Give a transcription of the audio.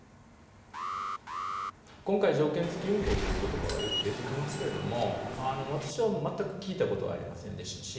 今回「条件付き運航」という言葉がよく出てきますけれども私は全く聞いたことはありませんでしたし